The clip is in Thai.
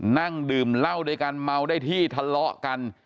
นั่งดื่มเหล้าด้วยกันเมาได้ที่ทะเลาะกัน